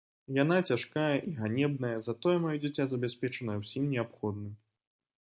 Яна цяжкая і ганебная, затое маё дзіця забяспечанае ўсім неабходным.